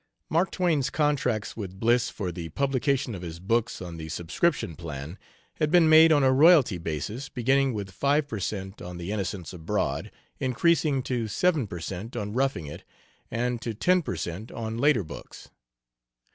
Mark Twain's contracts with Bliss for the publication of his books on the subscription plan had been made on a royalty basis, beginning with 5 per cent. on 'The Innocents Abroad' increasing to 7 per cent. on 'Roughing It,' and to 10 per cent. on later books.